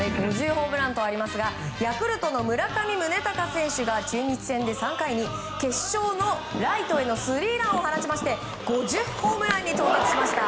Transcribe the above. ５０ホームランとありますがヤクルトの村上宗隆選手が中日戦で３回に決勝のライトへのスリーランを放ちまして５０ホームランに到達しました。